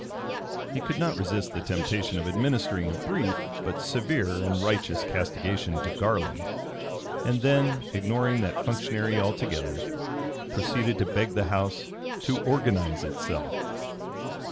He could not resist the temptation of administering a brief but severe and righteous castigation to Garland; and then, ignoring that functionary altogether, proceeded to beg the House to organize itself.